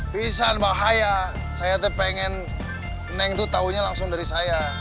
pisan bahaya saya pengen neng tuh taunya langsung dari saya